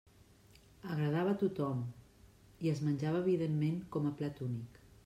Agradava a tothom i es menjava evidentment com a plat únic.